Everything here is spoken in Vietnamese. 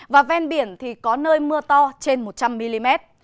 và ven biển thì có nơi mưa to trên một trăm linh mm